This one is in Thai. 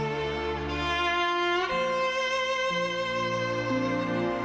และผ่านไปให้ด้วยใจที่เข้มแข็ง